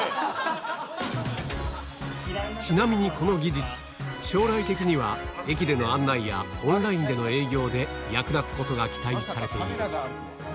ちなみに、この技術、将来的には、駅での案内やオンラインでの営業で役立つことが期待されている。